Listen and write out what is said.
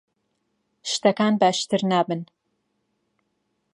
شتەکان باشتر نابن.